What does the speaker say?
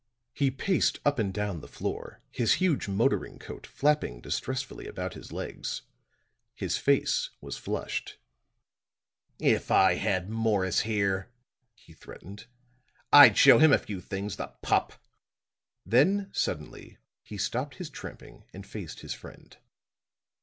He paced up and down the floor, his huge motoring coat flapping distressfully about his legs. His face was flushed. "If I had Morris here," he threatened, "I'd show him a few things, the pup!" Then suddenly he stopped his tramping and faced his friend.